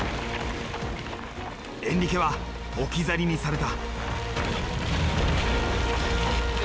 エンリケは置き去りにされた。